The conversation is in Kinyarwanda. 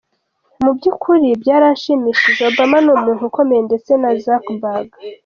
Mu by’ukuri byaranshimishije, Obama ni umuntu ukomeye ndetse na Zuckerberg .